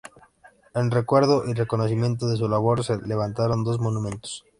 En recuerdo y reconocimiento de su labor se levantaron dos monumentos.